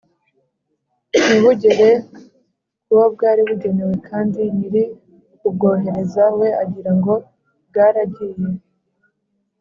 ntibugere ku wo bwari bugenewe kandi nyiri ukubwohereza we agira ngo bwaragiye